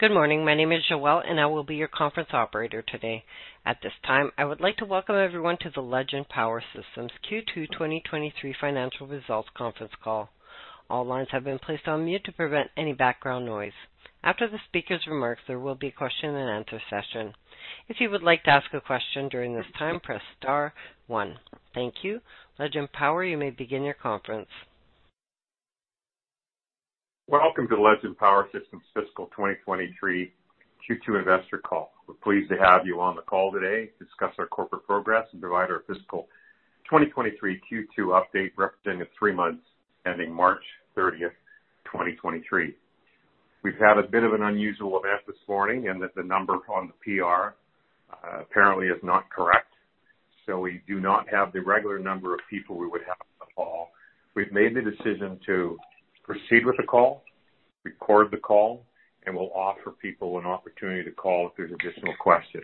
Good morning. My name is Joelle, and I will be your conference operator today. At this time, I would like to welcome everyone to the Legend Power Systems Q2 2023 Financial Results Conference Call. All lines have been placed on mute to prevent any background noise. After the speaker's remarks, there will be a question-and-answer session. If you would like to ask a question during this time, press star one. Thank you. Legend Power, you may begin your conference. Welcome to the Legend Power Systems Fiscal 2023 Q2 Investor Call. We're pleased to have you on the call today to discuss our corporate progress and provide our fiscal 2023 Q2 update, representing the three months ending March 30th, 2023. We've had a bit of an unusual event this morning, in that the number on the PR apparently is not correct, so we do not have the regular number of people we would have on the call. We've made the decision to proceed with the call, record the call, and we'll offer people an opportunity to call if there's additional questions.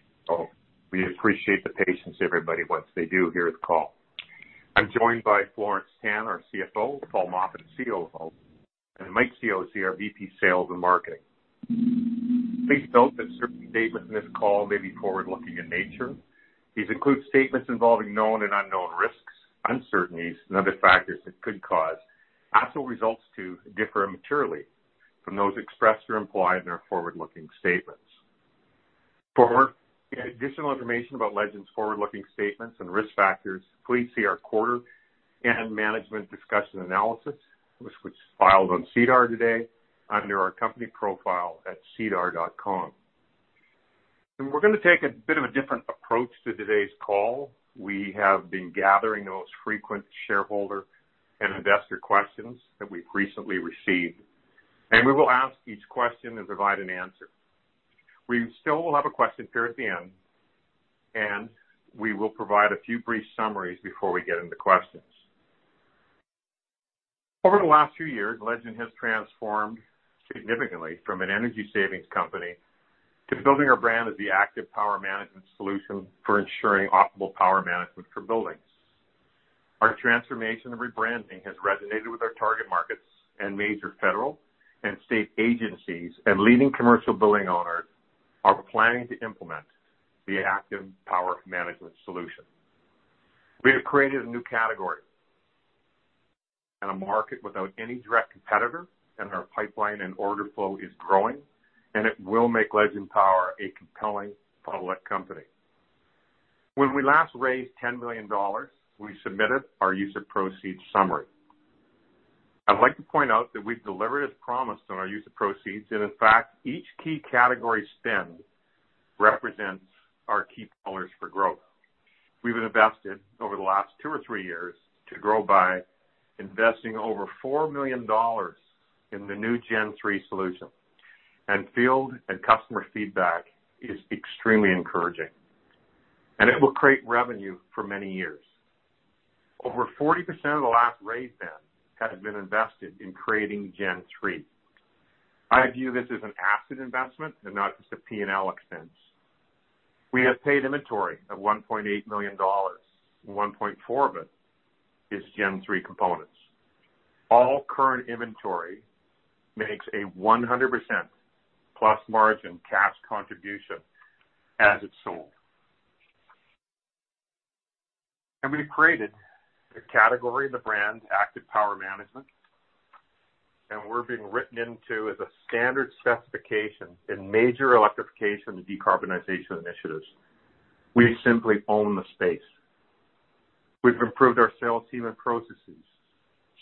We appreciate the patience, everybody, once they do hear the call. I'm joined by Florence Tan, our CFO, Paul Moffat, COO, and Mike Cioce, our VP Sales and Marketing. Please note that certain statements in this call may be forward-looking in nature. These include statements involving known and unknown risks, uncertainties, and other factors that could cause actual results to differ materially from those expressed or implied in our forward-looking statements. For additional information about Legend's forward-looking statements and risk factors, please see our quarter and management discussion analysis, which was filed on SEDAR today under our company profile at sedar.com. We're gonna take a bit of a different approach to today's call. We have been gathering the most frequent shareholder and investor questions that we've recently received, and we will ask each question and provide an answer. We still will have a question period at the end, and we will provide a few brief summaries before we get into questions. Over the last few years, Legend has transformed significantly from an energy savings company to building our brand as the Active Power Management solution for ensuring optimal power management for buildings. Our transformation and rebranding has resonated with our target markets and major federal and state agencies. Leading commercial building owners are planning to implement the Active Power Management solution. We have created a new category and a market without any direct competitor. Our pipeline and order flow is growing. It will make Legend Power a compelling public company. When we last raised $10 million, we submitted our use of proceeds summary. I'd like to point out that we've delivered as promised on our use of proceeds. In fact, each key category spend represents our key pillars for growth. We've invested over the last two or three years to grow by investing over 4 million dollars in the new Gen3 solution. Field and customer feedback is extremely encouraging, and it will create revenue for many years. Over 40% of the last raise has been invested in creating Gen3. I view this as an asset investment and not just a P&L expense. We have paid inventory of 1.8 million dollars. 1.4 million of it is Gen3 components. All current inventory makes a 100%+ margin cash contribution as it's sold. We've created a category, the brand Active Power Management, and we're being written into as a standard specification in major electrification and decarbonization initiatives. We simply own the space. We've improved our sales team and processes,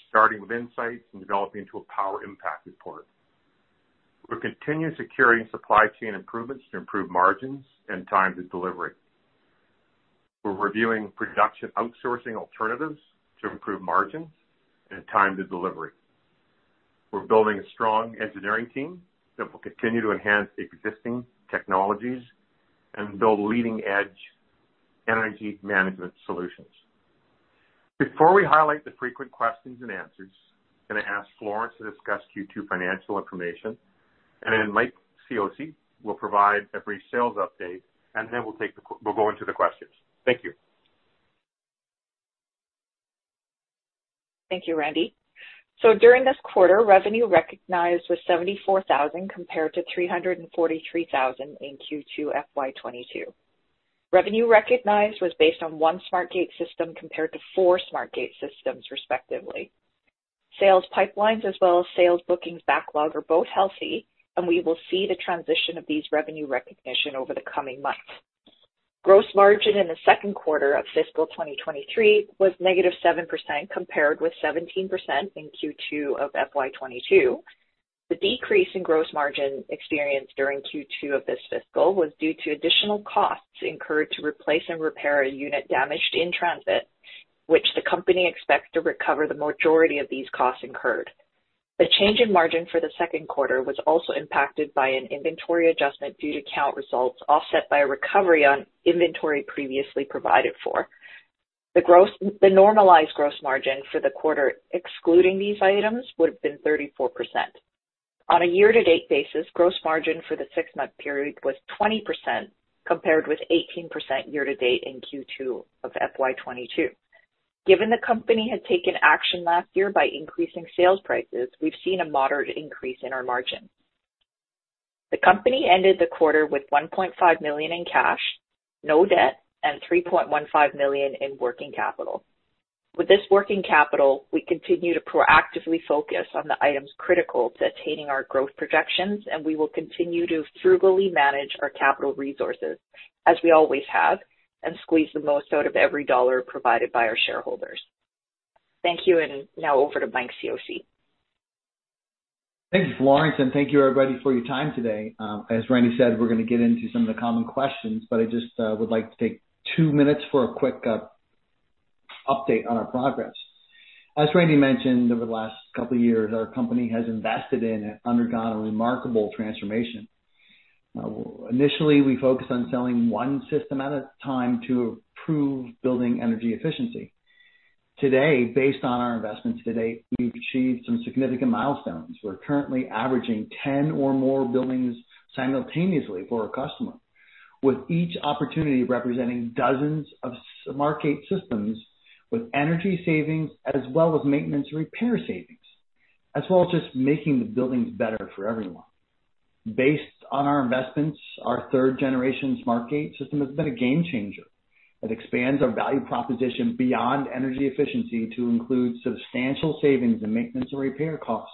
starting with insights and developing into a Power Impact Report. We're continuing securing supply chain improvements to improve margins and time to delivery. We're reviewing production outsourcing alternatives to improve margins and time to delivery. We're building a strong engineering team that will continue to enhance existing technologies and build leading-edge energy management solutions. Before we highlight the frequent questions and answers, I'm going to ask Florence to discuss Q2 financial information, Mike Cioce will provide a brief sales update, we'll go into the questions. Thank you. Thank you, Randy. During this quarter, revenue recognized was 74,000, compared to 343,000 in Q2 FY 2022. Revenue recognized was based on 1 SmartGATE system, compared to 4 SmartGATE systems, respectively. Sales pipelines as well as sales bookings backlog are both healthy, and we will see the transition of these revenue recognition over the coming months. Gross margin in the second quarter of fiscal 2023 was -7%, compared with 17% in Q2 of FY 2022. The decrease in gross margin experienced during Q2 of this fiscal was due to additional costs incurred to replace and repair a unit damaged in transit, which the company expects to recover the majority of these costs incurred. The change in margin for the second quarter was also impacted by an inventory adjustment due to count results, offset by a recovery on inventory previously provided for. The normalized gross margin for the quarter, excluding these items, would have been 34%. On a year-to-date basis, gross margin for the six-month period was 20%, compared with 18% year-to-date in Q2 of FY 2022. Given the company had taken action last year by increasing sales prices, we've seen a moderate increase in our margin. The company ended the quarter with 1.5 million in cash, no debt, and 3.15 million in working capital. With this working capital, we continue to proactively focus on the items critical to attaining our growth projections, and we will continue to frugally manage our capital resources as we always have, and squeeze the most out of every dollar provided by our shareholders. Thank you, and now over to Mike Cioce. Thank you, Florence, and thank you, everybody, for your time today. As Randy said, we're gonna get into some of the common questions, but I just would like to take two minutes for a quick update on our progress. As Randy mentioned, over the last couple of years, our company has invested in and undergone a remarkable transformation. Initially, we focused on selling one system at a time to improve building energy efficiency. Today, based on our investments to date, we've achieved some significant milestones. We're currently averaging 10 or more buildings simultaneously for a customer, with each opportunity representing dozens of SmartGATE systems with energy savings, as well as maintenance and repair savings, as well as just making the buildings better for everyone. Based on our investments, our third-generation SmartGATE system has been a game changer. It expands our value proposition beyond energy efficiency to include substantial savings in maintenance and repair costs.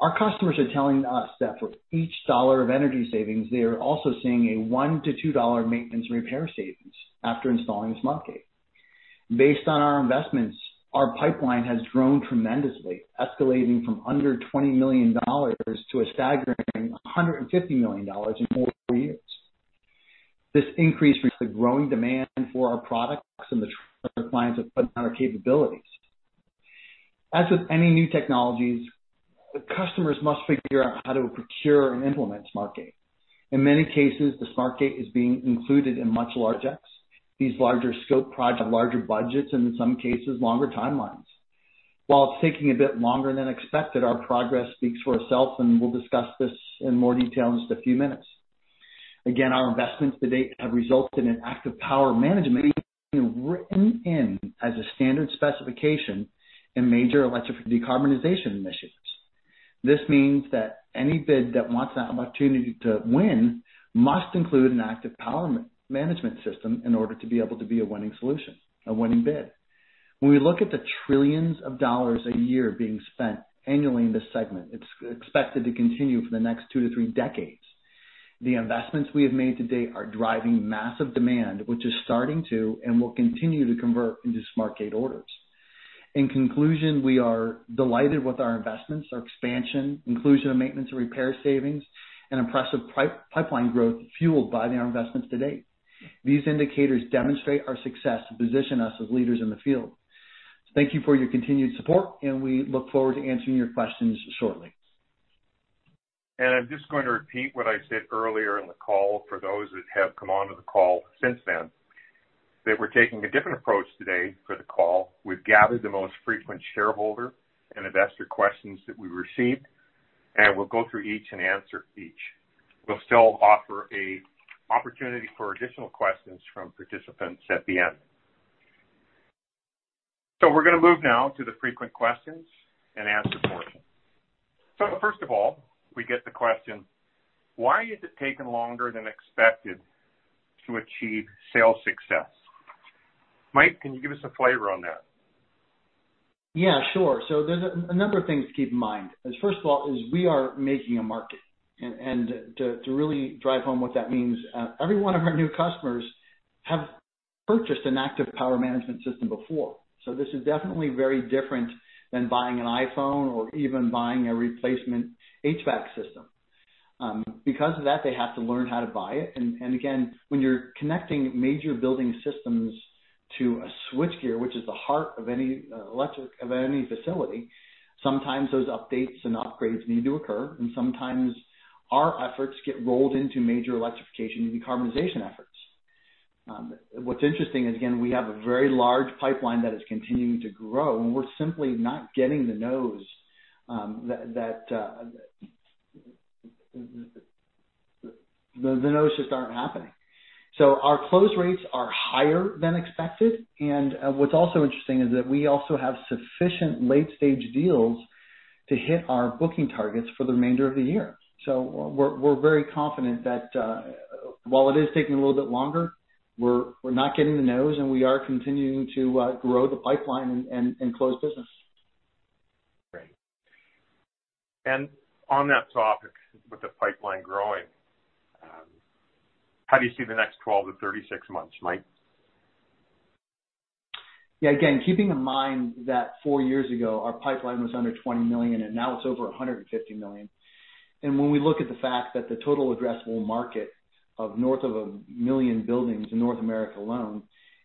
Our customers are telling us that for each $1 of energy savings, they are also seeing a $1-$2 maintenance and repair savings after installing SmartGATE. Based on our investments, our pipeline has grown tremendously, escalating from under $20 million to a staggering $150 million in four years. This increase reflects the growing demand for our products and the clients have put on our capabilities. As with any new technologies, the customers must figure out how to procure and implement SmartGATE. In many cases, the SmartGATE is being included in much larger projects. These larger scope projects have larger budgets and in some cases, longer timelines. While it's taking a bit longer than expected, our progress speaks for itself, and we'll discuss this in more detail in just a few minutes. Again, our investments to date have resulted in an Active Power Management written in as a standard specification in major electric decarbonization initiatives. This means that any bid that wants that opportunity to win must include an Active Power Management system in order to be able to be a winning solution, a winning bid. When we look at the trillions of dollars a year being spent annually in this segment, it's expected to continue for the next two to three decades. The investments we have made to date are driving massive demand, which is starting to and will continue to convert into SmartGATE orders. In conclusion, we are delighted with our investments, our expansion, inclusion of maintenance and repair savings, and impressive pipeline growth fueled by our investments to date. These indicators demonstrate our success to position us as leaders in the field. Thank you for your continued support, and we look forward to answering your questions shortly. I'm just going to repeat what I said earlier in the call for those that have come onto the call since then, that we're taking a different approach today for the call. We've gathered the most frequent shareholder and investor questions that we received, and we'll go through each and answer each. We'll still offer a opportunity for additional questions from participants at the end. We're gonna move now to the frequent questions and answer portion. First of all, we get the question: Why has it taken longer than expected to achieve sales success? Mike, can you give us a flavor on that? Yeah, sure. There's a number of things to keep in mind. First of all, is we are making a market. And to really drive home what that means, every one of our new customers have purchased an Active Power Management system before. This is definitely very different than buying an iPhone or even buying a replacement HVAC system. Because of that, they have to learn how to buy it. And again, when you're connecting major building systems to a switchgear, which is the heart of any facility, sometimes those updates and upgrades need to occur, and sometimes our efforts get rolled into major electrification and decarbonization efforts. What's interesting is, again, we have a very large pipeline that is continuing to grow, and we're simply not getting the no's. The no's just aren't happening. Our close rates are higher than expected, and what's also interesting is that we also have sufficient late-stage deals to hit our booking targets for the remainder of the year. We're very confident that, while it is taking a little bit longer, we're not getting the no's, and we are continuing to grow the pipeline and close business. Great. On that topic, with the pipeline growing, how do you see the next 12 to 36 months, Mike? Yeah, again, keeping in mind that four years ago, our pipeline was under $20 million, and now it's over $150 million. When we look at the fact that the total addressable market of north of 1 million buildings in North America alone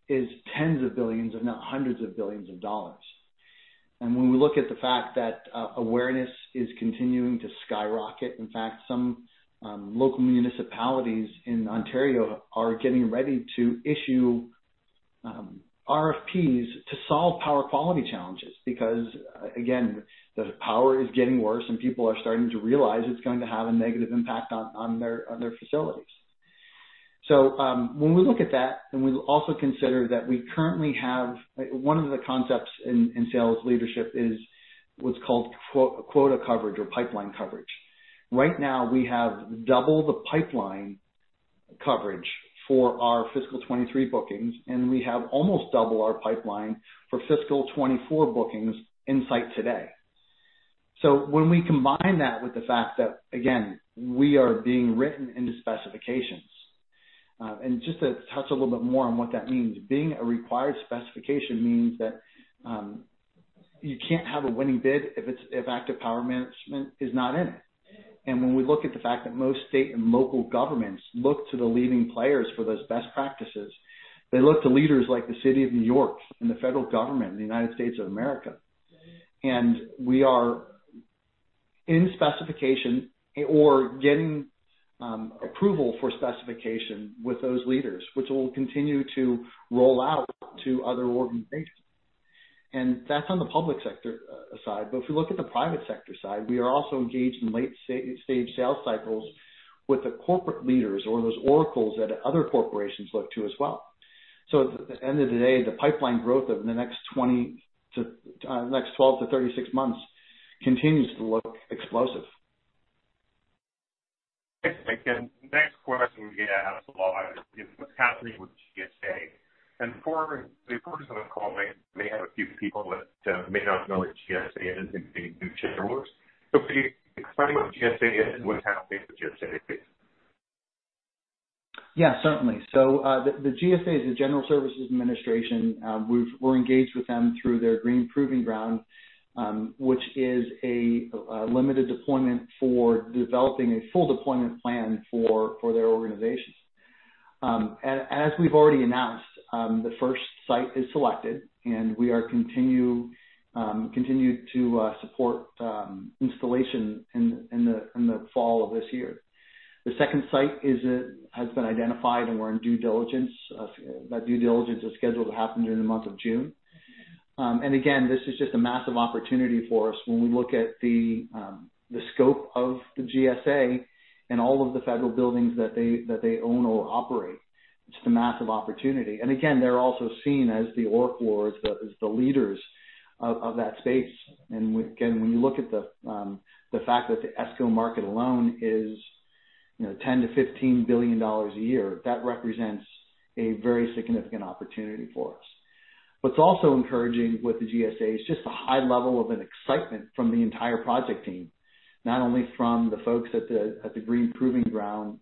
is tens of billions, if not hundreds of billions of dollars. When we look at the fact that awareness is continuing to skyrocket, in fact, some local municipalities in Ontario are getting ready to issue RFPs to solve power quality challenges. Because, again, the power is getting worse and people are starting to realize it's going to have a negative impact on their, on their facilities. When we look at that, and we also consider that we currently have one of the concepts in sales leadership is what's called quota coverage or pipeline coverage. Right now, we have double the pipeline coverage for our fiscal 2023 bookings, and we have almost double our pipeline for fiscal 2024 bookings in sight today. When we combine that with the fact that, again, we are being written into specifications, and just to touch a little bit more on what that means, being a required specification means that you can't have a winning bid if Active Power Management is not in it. When we look at the fact that most state and local governments look to the leading players for those best practices, they look to leaders like the City of New York and the federal government and the United States of America. We are in specification or getting approval for specification with those leaders, which will continue to roll out to other organizations. That's on the public sector side. If you look at the private sector side, we are also engaged in late stage sales cycles with the corporate leaders or those Oracles that other corporations look to as well. At the end of the day, the pipeline growth of the next 12 to 36 months continues to look explosive. Thanks, Mike. The next question we get asked a lot is: What's happening with GSA? For the folks on the call, may have a few people that may not know what GSA is, in case new shareholders. Could you explain what GSA is and what's happening with GSA, please? Certainly. The GSA is the General Services Administration. We're engaged with them through their Green Proving Ground, which is a limited deployment for developing a full deployment plan for their organizations. As we've already announced, the first site is selected, and we are continue to support installation in the fall of this year. The second site has been identified, and we're in due diligence. That due diligence is scheduled to happen during the month of June. Again, this is just a massive opportunity for us when we look at the scope of the GSA and all of the federal buildings that they own or operate. It's just a massive opportunity. Again, they're also seen as the Oracle or as the leaders of that space. Again, when you look at the fact that the ESCO market alone is, you know, $10 billion-$15 billion a year, that represents a very significant opportunity for us. What's also encouraging with the GSA is just a high level of an excitement from the entire project team, not only from the folks at the Green Proving Ground,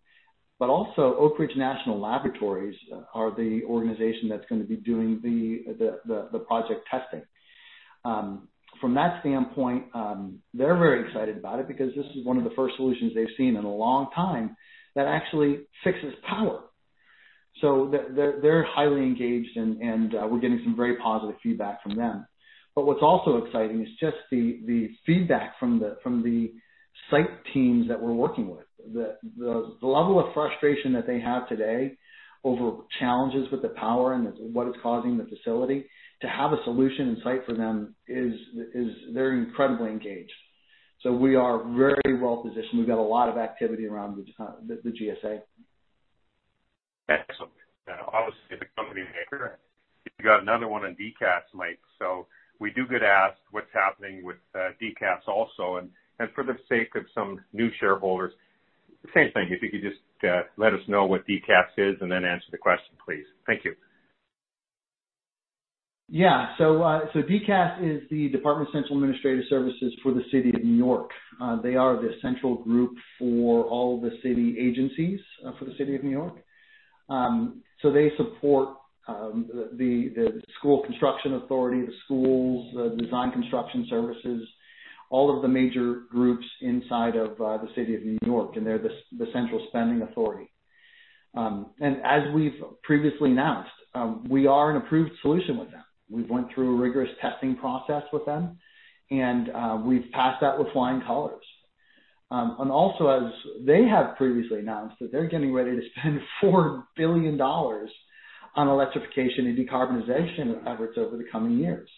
but also Oak Ridge National Laboratory are the organization that's gonna be doing the project testing. From that standpoint, they're very excited about it because this is one of the first solutions they've seen in a long time that actually fixes power. They're highly engaged, and we're getting some very positive feedback from them. What's also exciting is just the feedback from the site teams that we're working with. The level of frustration that they have today over challenges with the power and what it's causing the facility, to have a solution in sight for them is. They're incredibly engaged. We are very well-positioned. We've got a lot of activity around the GSA. Excellent. obviously, the company maker, you got another one on DCAS, Mike. We do get asked what's happening with DCAS also, and for the sake of some new shareholders, same thing, if you could just let us know what DCAS is and then answer the question, please. Thank you. DCAS is the Department of Citywide Administrative Services for the City of New York. They are the central group for all the city agencies for the City of New York. They support the School Construction Authority, the schools, the design construction services, all of the major groups inside of the City of New York, and they're the central spending authority. As we've previously announced, we are an approved solution with them. We've went through a rigorous testing process with them, we've passed that with flying colors. Also, as they have previously announced, that they're getting ready to spend $4 billion on electrification and decarbonization efforts over the coming years.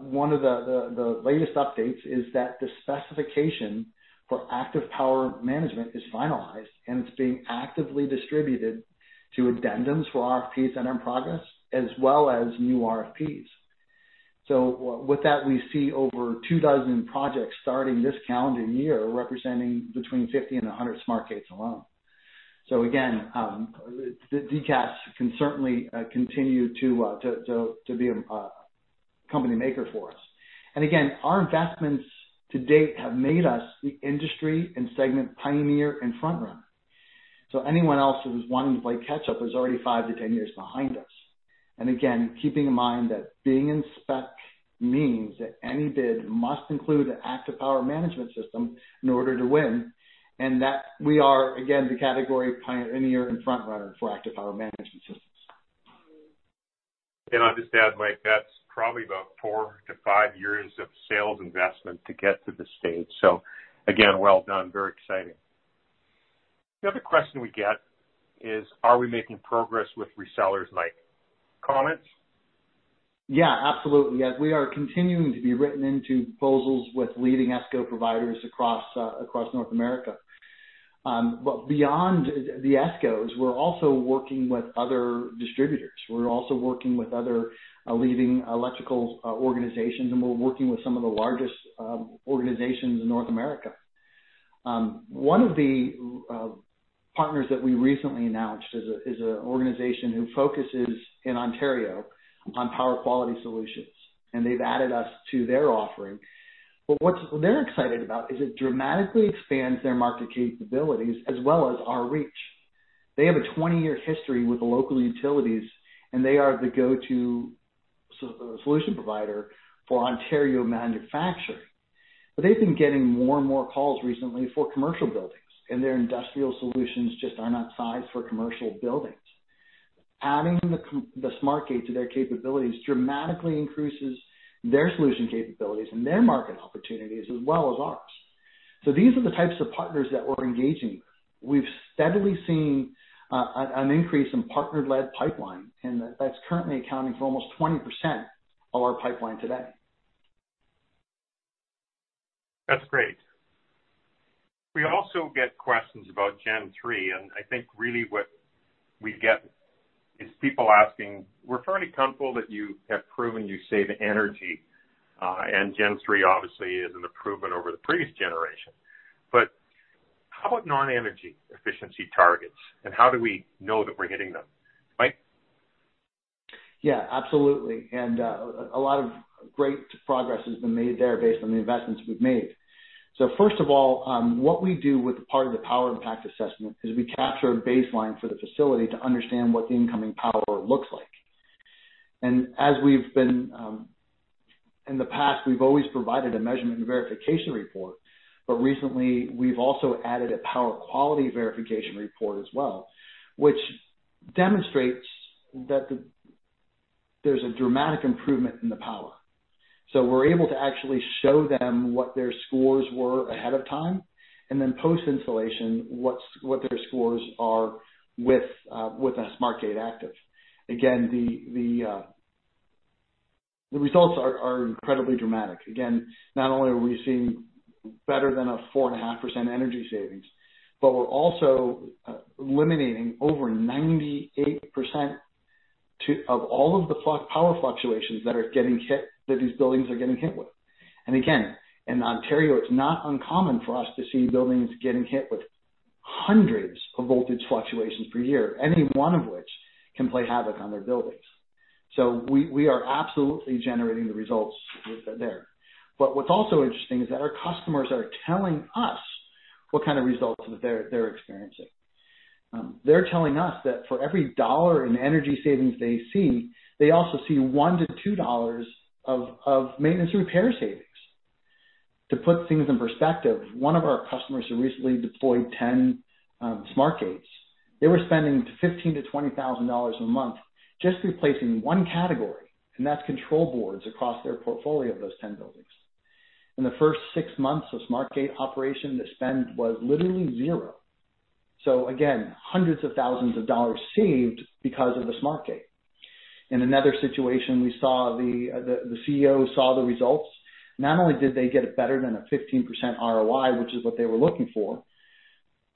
One of the latest updates is that the specification for Active Power Management is finalized, and it's being actively distributed to addendums for RFPs that are in progress, as well as new RFPs. With that, we see over two dozen projects starting this calendar year, representing between 50 and 100 SmartGATEs alone. Again, the DCAS can certainly continue to be a company maker for us. Again, our investments to date have made us the industry and segment pioneer and front runner, so anyone else who's wanting to play catch-up is already five to 10 years behind us. Again, keeping in mind that being in spec means that any bid must include an Active Power Management system in order to win, and that we are, again, the category pioneer and front runner for Active Power Management systems. I'll just add, Mike, that's probably about four to five years of sales investment to get to this stage. Again, well done. Very exciting. The other question we get is: Are we making progress with resellers, Mike? Comments? Yeah, absolutely. Yes, we are continuing to be written into proposals with leading ESCO providers across North America. Beyond the ESCOs, we're also working with other distributors. We're also working with other leading electrical organizations, and we're working with some of the largest organizations in North America. One of the partners that we recently announced is an organization who focuses in Ontario on power quality solutions, and they've added us to their offering. What they're excited about is it dramatically expands their market capabilities as well as our reach. They have a 20-year history with the local utilities, and they are the go-to solution provider for Ontario manufacturing. They've been getting more and more calls recently for commercial buildings, and their industrial solutions just are not sized for commercial buildings. Adding the SmartGATE to their capabilities dramatically increases their solution capabilities and their market opportunities as well as ours. These are the types of partners that we're engaging with. We've steadily seen an increase in partner-led pipeline. That's currently accounting for almost 20% of our pipeline today. That's great. We also get questions about Gen3, and I think really what we get is people asking: We're fairly comfortable that you have proven you save energy, and Gen3 obviously is an improvement over the previous generation. How about non-energy efficiency targets, and how do we know that we're hitting them? Mike? Yeah, absolutely. A lot of great progress has been made there based on the investments we've made. First of all, what we do with the part of the Power Impact Assessment is we capture a baseline for the facility to understand what the incoming power looks like. As we've been, in the past, we've always provided a measurement and verification report, but recently we've also added a power quality verification report as well, which demonstrates that there's a dramatic improvement in the power. We're able to actually show them what their scores were ahead of time, and then post-installation, what their scores are with a SmartGATE active. Again, the results are incredibly dramatic. Not only are we seeing better than a 4.5% energy savings, but we're also eliminating over 98% of all of the power fluctuations that are getting hit, that these buildings are getting hit with. Again, in Ontario, it's not uncommon for us to see buildings getting hit with hundreds of voltage fluctuations per year, any one of which can play havoc on their buildings. We are absolutely generating the results with there. What's also interesting is that our customers are telling us what kind of results that they're experiencing. They're telling us that for every CAD 1 in energy savings they see, they also see 1-2 dollars of maintenance and repair savings. To put things in perspective, one of our customers who recently deployed 10 SmartGATEs, they were spending 15,000-20,000 dollars a month just replacing one category, and that's control boards across their portfolio of those 10 buildings. In the first six months of SmartGATE operation, the spend was literally zero. Again, hundreds of thousands of CAD saved because of the SmartGATE. In another situation, we saw the CEO saw the results. Not only did they get a better than a 15% ROI, which is what they were looking for,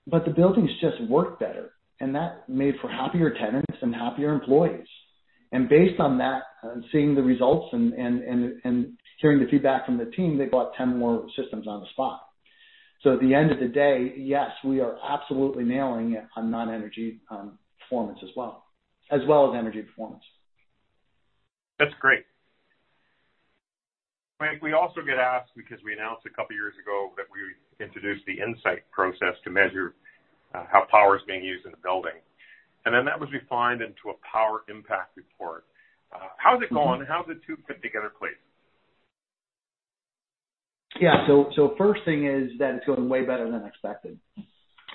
the buildings just worked better, and that made for happier tenants and happier employees. Based on that, and seeing the results and hearing the feedback from the team, they bought 10 more systems on the spot. At the end of the day, yes, we are absolutely nailing it on non-energy, performance as well, as well as energy performance. That's great. Mike, we also get asked, because we announced a couple of years ago, that we introduced the Insight process to measure how power is being used in a building, and then that was refined into a Power Impact Report. How's it going? How do the two fit together, please? Yeah. First thing is that it's going way better than expected.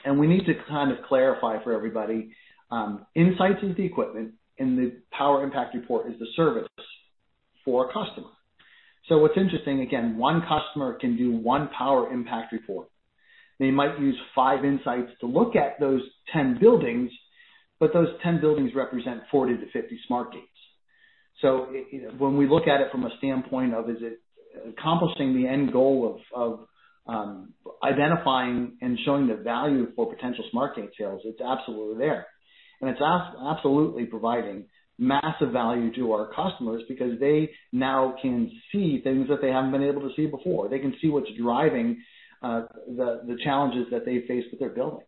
We need to kind of clarify for everybody, SmartGATE Insights is the equipment and the Power Impact Report is the service for a customer. What's interesting, again, one customer can do one Power Impact Report. They might use five SmartGATE Insights to look at those 10 buildings, those 10 buildings represent 40-50 SmartGATEs. You know, when we look at it from a standpoint of, is it accomplishing the end goal of identifying and showing the value for potential SmartGATE sales, it's absolutely there. It's absolutely providing massive value to our customers because they now can see things that they haven't been able to see before. They can see what's driving the challenges that they face with their buildings.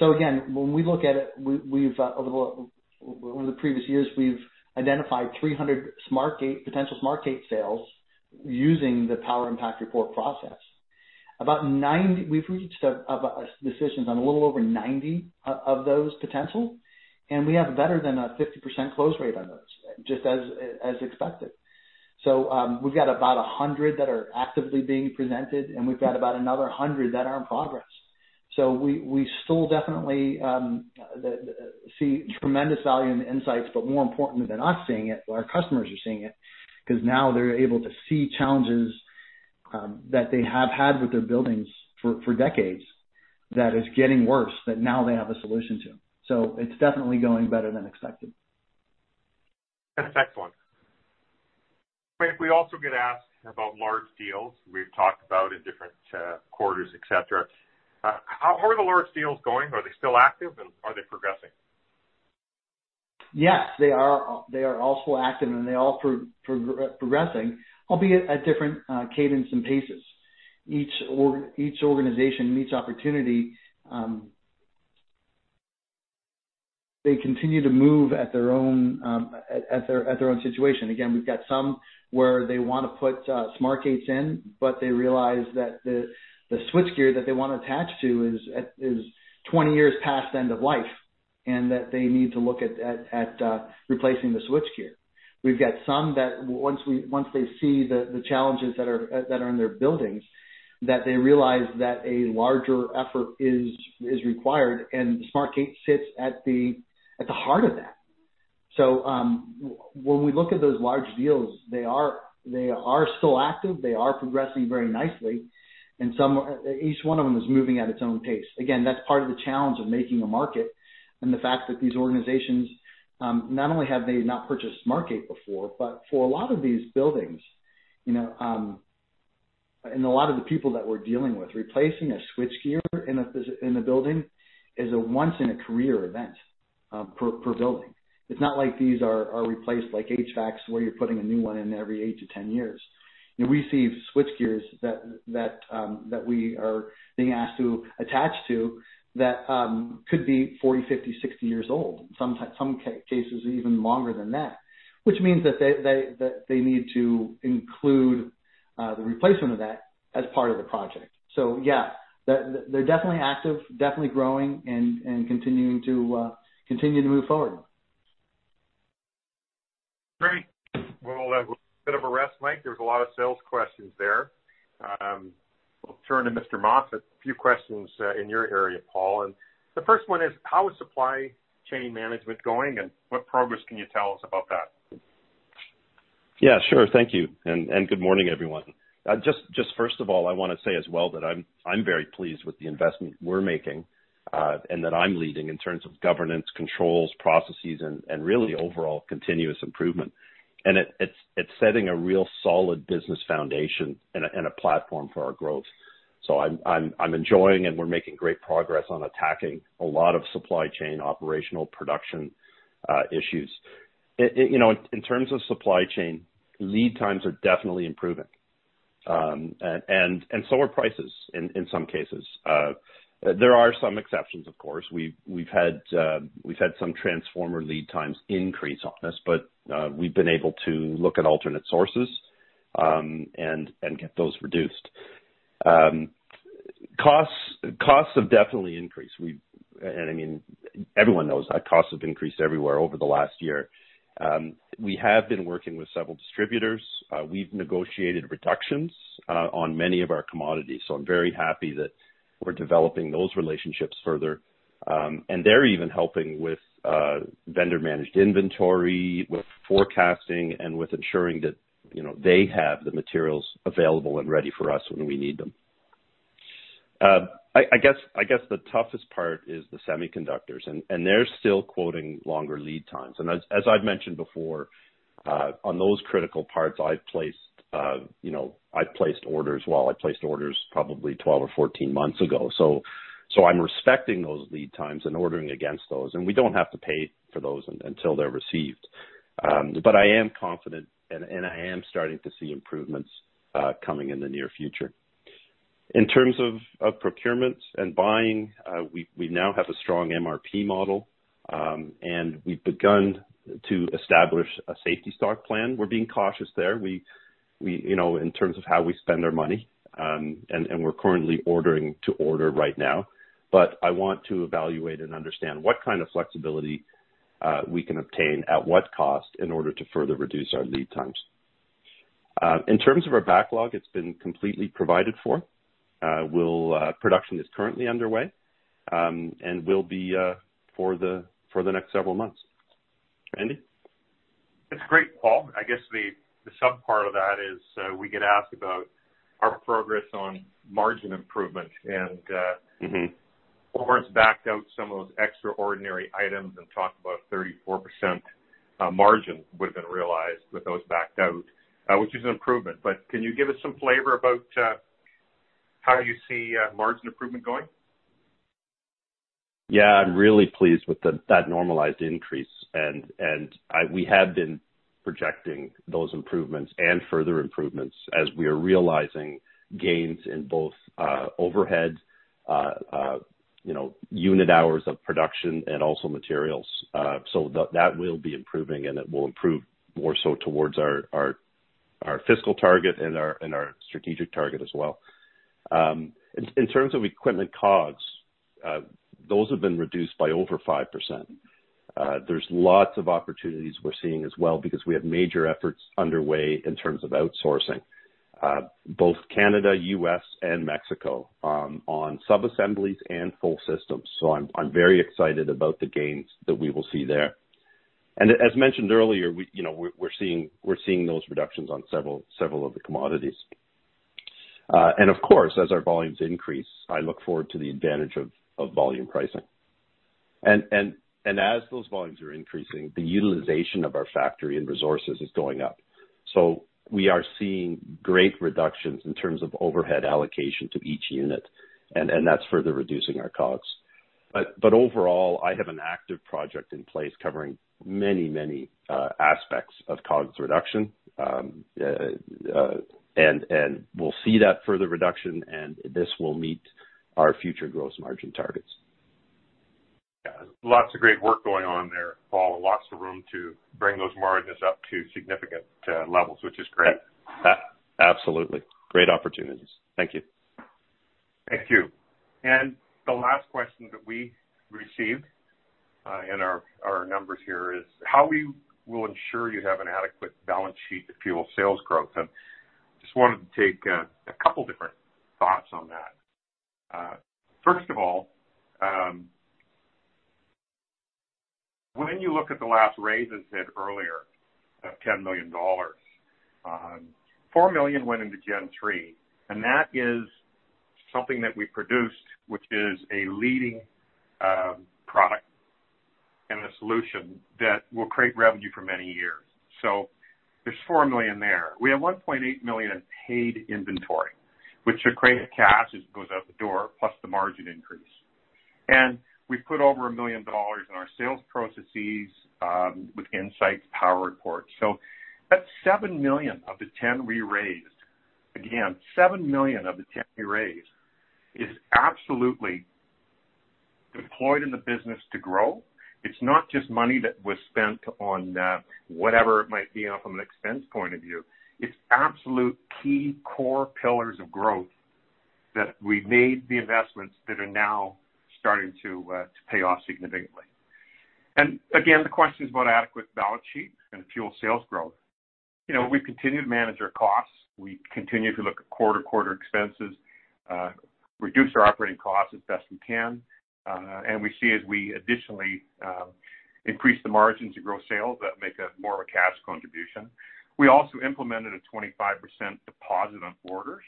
Again, when we look at it, over the previous years, we've identified 300 SmartGATE, potential SmartGATE sales using the Power Impact Report process. About 90 we've reached decisions on a little over 90 of those potential, and we have better than a 50% close rate on those, just as expected. We've got about 100 that are actively being presented, and we've got about another 100 that are in progress. We still definitely see tremendous value in the insights, but more important than us seeing it, our customers are seeing it, 'cause now they're able to see challenges that they have had with their buildings for decades, that is getting worse, that now they have a solution to. It's definitely going better than expected. That's excellent. Mike, we also get asked about large deals we've talked about in different, quarters, et cetera. How are the large deals going? Are they still active, and are they progressing? Yes, they are. They are all still active, and they're all progressing, albeit at different cadence and paces. Each organization and each opportunity, they continue to move at their own situation. We've got some where they wanna put SmartGATE in, but they realize that the switchgear that they wanna attach to is 20 years past the end of life, and that they need to look at replacing the switchgear. We've got some that once they see the challenges that are in their buildings, that they realize that a larger effort is required, and the SmartGATE sits at the heart of that. When we look at those large deals, they are still active, they are progressing very nicely, each one of them is moving at its own pace. Again, that's part of the challenge of making a market, and the fact that these organizations, not only have they not purchased SmartGATE before, but for a lot of these buildings, you know, and a lot of the people that we're dealing with, replacing a switchgear in a building is a once in a career event per building. It's not like these are replaced like HVACs, where you're putting a new one in every eight to 10 years. You know, we see switchgears that we are being asked to attach to, that could be 40, 50, 60 years old. Sometimes cases even longer than that. Which means that they that they need to include the replacement of that as part of the project. Yeah, they're definitely active, definitely growing and continuing to continue to move forward. Great! Well, a bit of a rest, Mike. There was a lot of sales questions there. We'll turn to Mr. Moffat, a few questions in your area, Paul. The first one is: How is supply chain management going, and what progress can you tell us about that? Yeah, sure. Thank you, and good morning, everyone. First of all, I wanna say as well, that I'm very pleased with the investment we're making, and that I'm leading in terms of governance, controls, processes, and really overall continuous improvement. It's setting a real solid business foundation and a platform for our growth. I'm enjoying, and we're making great progress on attacking a lot of supply chain, operational production, issues. You know, in terms of supply chain, lead times are definitely improving, and so are prices in some cases. There are some exceptions, of course. We've had some transformer lead times increase on us, but we've been able to look at alternate sources, and get those reduced. Costs have definitely increased. I mean, everyone knows that costs have increased everywhere over the last year. We have been working with several distributors. We've negotiated reductions on many of our commodities, so I'm very happy that we're developing those relationships further. They're even helping with vendor managed inventory, with forecasting, and with ensuring that, you know, they have the materials available and ready for us when we need them. I guess the toughest part is the semiconductors, and they're still quoting longer lead times. As I've mentioned before, on those critical parts, I've placed, you know, I've placed orders. Well, I placed orders probably 12 or 14 months ago. I'm respecting those lead times and ordering against those, and we don't have to pay for those until they're received. But I am confident, and I am starting to see improvements coming in the near future. In terms of procurement and buying, we now have a strong MRP model, and we've begun to establish a safety stock plan. We're being cautious there. We, you know, in terms of how we spend our money, and we're currently ordering to order right now. I want to evaluate and understand what kind of flexibility we can obtain, at what cost, in order to further reduce our lead times. In terms of our backlog, it's been completely provided for. We'll, production is currently underway, and will be for the next several months. Randy? That's great, Paul. I guess the subpart of that is, we get asked about our progress on margin improvement and. Mm-hmm. Florence backed out some of those extraordinary items and talked about 34% margin would have been realized with those backed out, which is an improvement, but can you give us some flavor about how you see margin improvement going? Yeah, I'm really pleased with that normalized increase, and we have been projecting those improvements and further improvements as we are realizing gains in both overhead, you know, unit hours of production and also materials. So that will be improving, and it will improve more so towards our fiscal target and our strategic target as well. In terms of equipment COGS, those have been reduced by over 5%. There's lots of opportunities we're seeing as well because we have major efforts underway in terms of outsourcing, both Canada, U.S., and Mexico, on sub-assemblies and full systems. I'm very excited about the gains that we will see there. As mentioned earlier, we, you know, we're seeing those reductions on several of the commodities. Of course, as our volumes increase, I look forward to the advantage of volume pricing. As those volumes are increasing, the utilization of our factory and resources is going up. We are seeing great reductions in terms of overhead allocation to each unit, and that's further reducing our COGS. Overall, I have an active project in place covering many, many aspects of COGS reduction. We'll see that further reduction, and this will meet our future gross margin targets. Yeah. Lots of great work going on there, Paul, and lots of room to bring those margins up to significant levels, which is great. Absolutely. Great opportunities. Thank you. Thank you. The last question that we received in our numbers here is: How we will ensure you have an adequate balance sheet to fuel sales growth? Just wanted to take a couple different thoughts on that. First of all, when you look at the last raises said earlier of 10 million dollars, 4 million went into Gen3, that is something that we produced, which is a leading product and a solution that will create revenue for many years. There's 4 million there. We have 1.8 million in paid inventory, which will create cash as it goes out the door, plus the margin increase. We've put over 1 million dollars in our sales processes with insights power reports. That's 7 million of the 10 million we raised. 7 million of the 10 million we raised is absolutely deployed in the business to grow. It's not just money that was spent on whatever it might be from an expense point of view. It's absolute key core pillars of growth that we've made the investments that are now starting to pay off significantly. The question is about adequate balance sheet and fuel sales growth. You know, we've continued to manage our costs. We continue to look at quarter to quarter expenses, reduce our operating costs as best we can, we see as we additionally increase the margins of gross sales that make more of a cash contribution. We also implemented a 25% deposit on orders,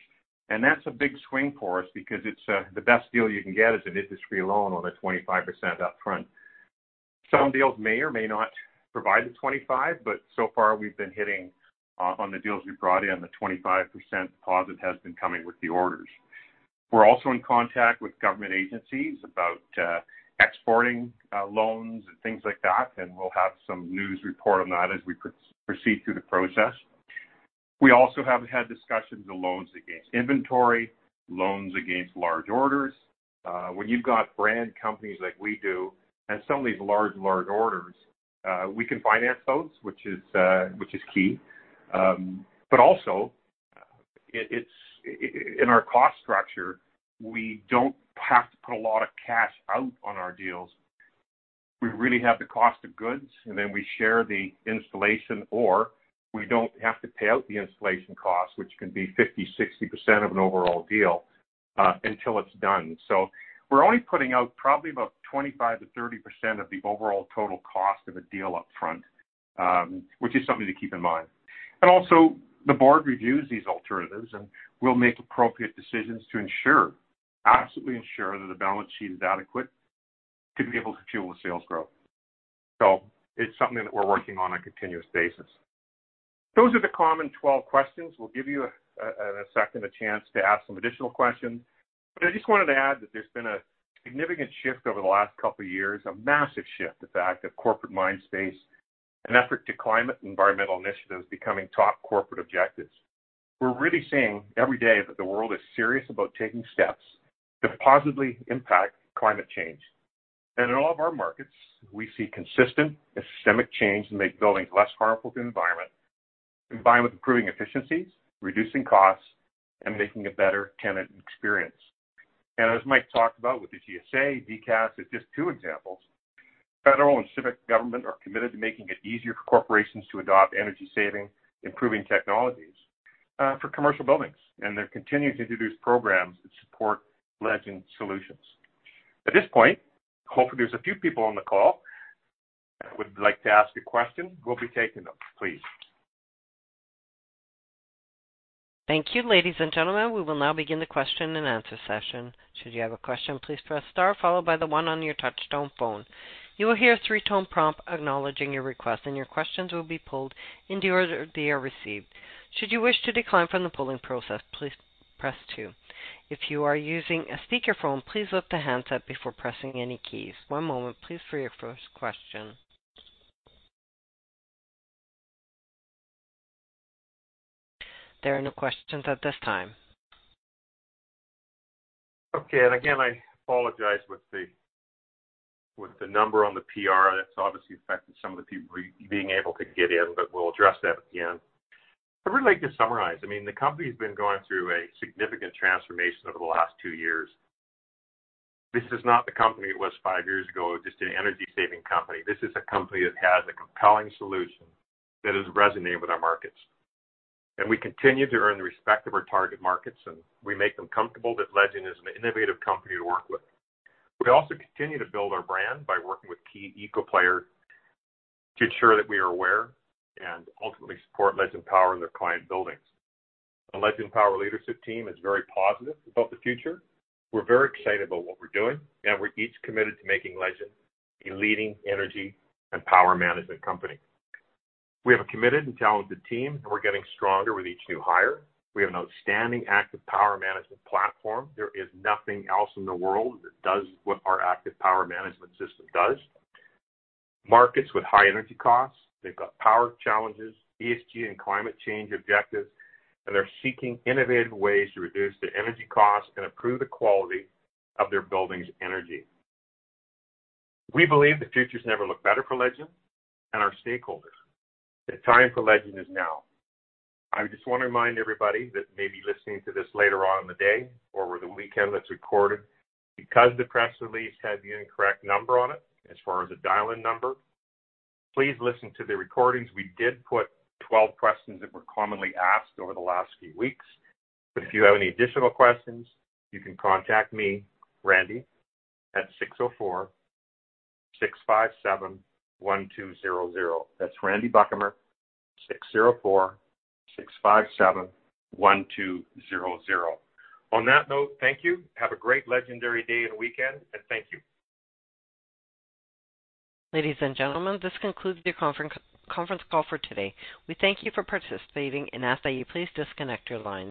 and that's a big swing for us because it's the best deal you can get is an industry loan on a 25% upfront. Some deals may or may not provide the 25%, but so far we've been hitting on the deals we've brought in, the 25% deposit has been coming with the orders. We're also in contact with government agencies about exporting loans and things like that, and we'll have some news report on that as we proceed through the process. We also have had discussions of loans against inventory, loans against large orders. When you've got brand companies like we do, and some of these large orders, we can finance those, which is key. Also, it's in our cost structure, we don't have to put a lot of cash out on our deals. We really have the cost of goods, and then we share the installation, or we don't have to pay out the installation costs, which can be 50%-60% of an overall deal until it's done. We're only putting out probably about 25%-30% of the overall total cost of a deal upfront, which is something to keep in mind. Also, the board reviews these alternatives and will make appropriate decisions to ensure, absolutely ensure that the balance sheet is adequate to be able to fuel the sales growth. It's something that we're working on a continuous basis. Those are the common 12 questions. We'll give you a second, a chance to ask some additional questions. I just wanted to add that there's been a significant shift over the last couple of years, a massive shift, in fact, of corporate mind space and effort to climate and environmental initiatives becoming top corporate objectives. We're really seeing every day that the world is serious about taking steps to positively impact climate change. In all of our markets, we see consistent, systemic change to make buildings less harmful to the environment, combined with improving efficiencies, reducing costs, and making a better tenant experience. As Mike talked about with the GSA, DCAS is just two examples. Federal and civic government are committed to making it easier for corporations to adopt energy-saving, improving technologies for commercial buildings, and they're continuing to introduce programs that support Legend solutions. At this point, hopefully, there's a few people on the call who would like to ask a question. We'll be taking them, please. Thank you, ladies, and gentlemen. We will now begin the question-and-answer session. Should you have a question, please press star followed by the one on your touchtone phone. You will hear a three-tone prompt acknowledging your request, and your questions will be pulled in the order they are received. Should you wish to decline from the polling process, please press two. If you are using a speakerphone, please lift the handset before pressing any keys. One moment, please, for your first question. There are no questions at this time. Okay. Again, I apologize with the, with the number on the PR. That's obviously affected some of the people being able to get in, but we'll address that at the end. I'd really like to summarize. I mean, the company's been going through a significant transformation over the last two years. This is not the company it was five years ago, just an energy-saving company. This is a company that has a compelling solution that is resonating with our markets, and we continue to earn the respect of our target markets, and we make them comfortable that Legend is an innovative company to work with. We also continue to build our brand by working with key eco players to ensure that we are aware and ultimately support Legend in power in their client buildings. The Legend Power leadership team is very positive about the future. We're very excited about what we're doing, and we're each committed to making Legend a leading energy and power management company. We have a committed and talented team, and we're getting stronger with each new hire. We have an outstanding Active Power Management platform. There is nothing else in the world that does what our Active Power Management system does. Markets with high energy costs, they've got power challenges, ESG and climate change objectives, and they're seeking innovative ways to reduce their energy costs and improve the quality of their building's energy. We believe the future's never looked better for Legend and our stakeholders. The time for Legend is now. I just want to remind everybody that may be listening to this later on in the day or over the weekend that's recorded. The press release had the incorrect number on it as far as the dial-in number, please listen to the recordings. We did put 12 questions that were commonly asked over the last few weeks. If you have any additional questions, you can contact me, Randy, at 604-657-1200. That's Randy Buchamer, 604-657-1200. On that note, thank you. Have a great legendary day and weekend, and thank you. Ladies, and gentlemen, this concludes your conference call for today. We thank you for participating and ask that you please disconnect your line.